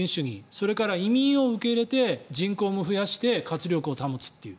それから移民を受け入れて人口も増やして活力も保つという。